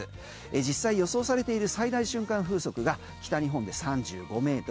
実際に予想されている最大瞬間風速が北日本で３５ｍ。